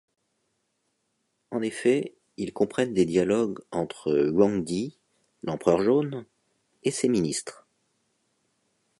En effet, ils comprennent des dialogues entre Huangdi, l’empereur Jaune, et ses ministres.